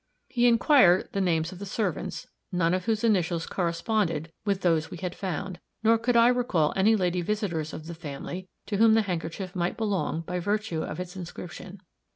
He inquired the names of the servants, none of whose initials corresponded with those we had found, nor could I recall any lady visitors of the family to whom the handkerchief might belong by virtue of its inscription.